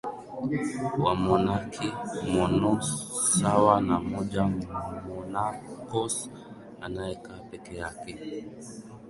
wamonaki monos sawa na moja monakos anayekaa peke yake